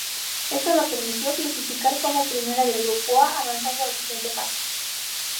Esto le permitió clasificar como primera del grupo A, avanzando a la siguiente fase.